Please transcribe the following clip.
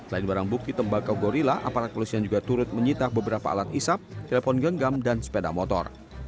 mereka dibukuk tembakau gorilla aparat polisi yang juga turut menyitah beberapa alat isap telepon genggam dan sepeda motor